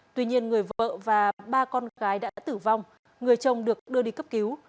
tuy nhiên người vợ và ba con gái đã tử vong người chồng được đưa đi cấp cứu